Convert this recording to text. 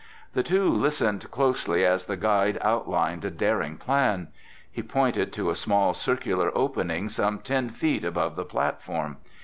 The two listened closely as the guide outlined a daring plan. He pointed to a small, circular opening some ten feet above the platform.